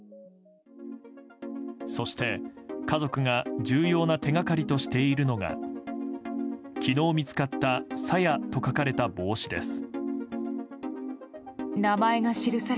そして、家族が重要な手掛かりとしているのが昨日、見つかった「さや」と書かれた帽子です。